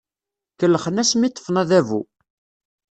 Kellxen asmi ṭṭfen adabu.